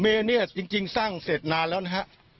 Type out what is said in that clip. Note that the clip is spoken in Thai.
เนี่ยจริงสร้างเสร็จนานแล้วนะฮะ